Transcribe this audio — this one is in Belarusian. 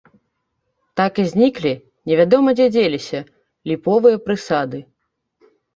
Так і зніклі, невядома дзе дзеліся, ліповыя прысады.